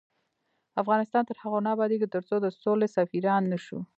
افغانستان تر هغو نه ابادیږي، ترڅو د سولې سفیران نشو.